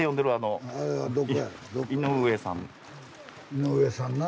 井上さんな。